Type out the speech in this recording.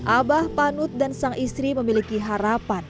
abah panut dan sang istri memiliki harapan